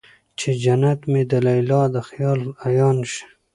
چې جنت مې د ليلا د خيال عيان شي